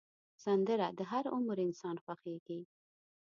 سندره د هر عمر انسان خوښېږي